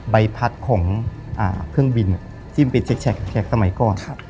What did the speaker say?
ใบพัดของอ่าเครื่องบินอ่ะที่มันเป็นแชคแชคแชคแชคสมัยก้อนครับ